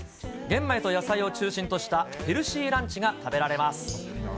玄米と野菜を中心としたヘルシーランチが食べられます。